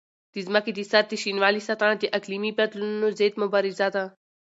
د ځمکې د سر د شینوالي ساتنه د اقلیمي بدلونونو ضد مبارزه ده.